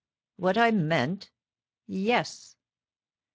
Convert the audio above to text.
'" "What I meant?" "Yes."